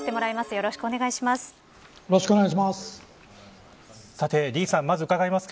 よろしくお願いします。